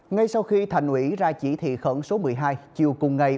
ngay sau khi thành ủy ra chỉ thị khẩn số một mươi hai chiều cùng ngày